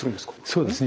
そうですね。